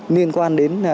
liên quan đến việc lừa đảo